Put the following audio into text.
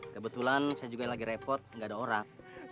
kebetulan saya juga lagi repot gak ada orang